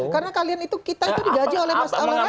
karena kalian itu kita itu dijaji oleh masyarakat